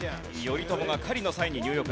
頼朝が狩りの際に入浴。